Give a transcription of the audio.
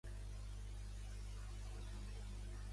Actualment, Itzhak Perlman fa servir l'stradivarius Soil.